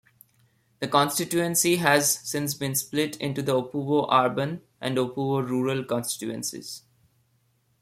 The constituency has since been split into the Opuwo Urban and Opuwo Rural constituencies.